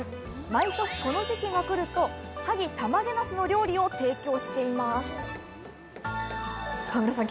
毎年この時期が来ると萩たまげなすの料理を提供しています河村さん